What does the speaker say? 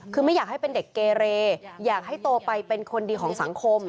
คือไม่อยากให้เป็นเด็กเกเรอยากให้โตไปเป็นคนดีของสังคม